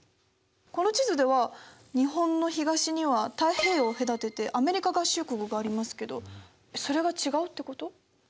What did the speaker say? この地図では日本の東には太平洋を隔ててアメリカ合衆国がありますけどそれが違うってこと？